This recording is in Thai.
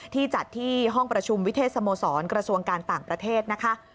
ที่จัดที่ห้องประชุมวิเทศสโมสรกระทรวงการต่างประเทศนะคะ